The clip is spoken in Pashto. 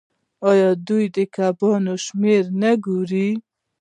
آیا دوی د کبانو شمیر نه ګوري؟